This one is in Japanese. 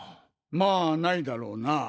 まぁないだろうな。